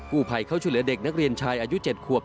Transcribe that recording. ผู้ภัยเข้าช่วยเหลือเด็กนักเรียนชายอายุ๗ขวบ